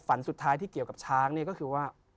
สุดท้ายที่เกี่ยวกับช้างนี่ก็คือว่า